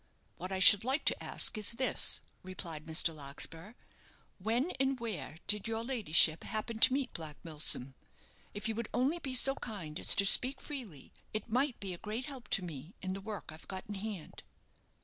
"What I should like to ask is this," replied Mr. Larkspur, "when and where did your ladyship happen to meet Black Milsom? If you would only be so kind as to speak freely, it might be a great help to me in the work I've got in hand."